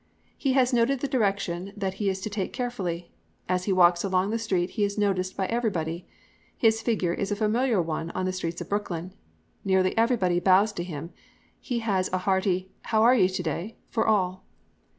He has noted the direction that he is to take carefully. As he walks along the street he is noticed by everybody. His figure is a familiar one in the streets of Brooklyn. Nearly everybody bows to him. He has a hearty 'How are you to day?' for all.